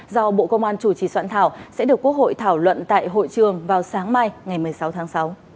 do bộ công an chủ trì soạn thảo sẽ được quốc hội thảo luận tại hội trường vào sáng mai ngày một mươi sáu tháng sáu